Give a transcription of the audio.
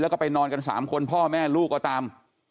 แล้วก็ไปนอนกัน๓คนพ่อแม่ลูกก็ตาม